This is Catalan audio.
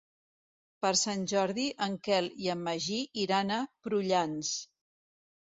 Per Sant Jordi en Quel i en Magí iran a Prullans.